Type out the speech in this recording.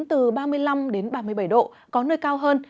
từ ba mươi năm đến ba mươi bảy độ có nơi cao hơn